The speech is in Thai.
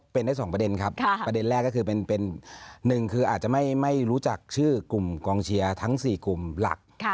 เป็นได้๒ประเด็นครับประเด็นแรกก็คือเป็นหนึ่งคืออาจจะไม่รู้จักชื่อกลุ่มกองเชียร์ทั้ง๔กลุ่มหลัก